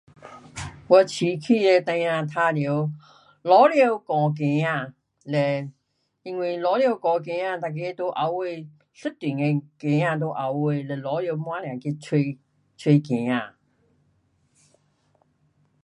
我市区的孩儿玩耍老鹰啄鸡儿，嘞因为老鹰啄鸡儿每个在后尾一群的鸡儿在后尾，了老鹰到处去找，找鸡儿。